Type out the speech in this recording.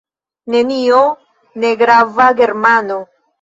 Nenio: negrava Germano.